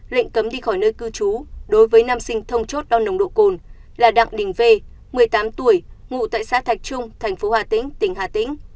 lệnh cấm đi khỏi nơi cư trú đối với nam sinh thông chốt đo nồng độ cồn là đặng đình v một mươi tám tuổi ngụ tại xã thạch trung thành phố hà tĩnh tỉnh hà tĩnh